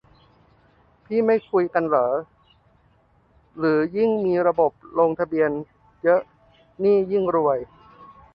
พี่ไม่คุยกันเหรอ หรือยิ่งมีระบบลงทะเบียนเยอะนี่ยิ่งรวย ?